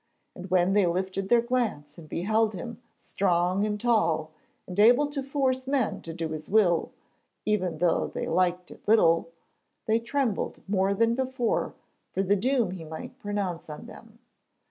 And when they lifted their glance and beheld him strong and tall and able to force men to do his will, even though they liked it little, they trembled more than before for the doom he might pronounce on them.